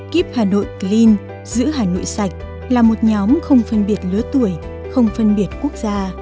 keep hà nội clean là một nhóm không phân biệt lứa tuổi không phân biệt quốc gia